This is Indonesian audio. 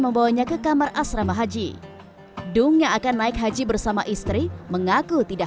membawanya ke kamar asrama haji dung yang akan naik haji bersama istri mengaku tidak